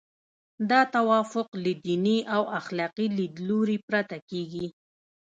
دا توافق له دیني او اخلاقي لیدلوري پرته کیږي.